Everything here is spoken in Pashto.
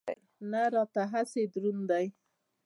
نه راته هسې دروند دی.